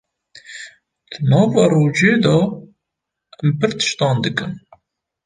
Di nava rojê de em pir tiştan dikin.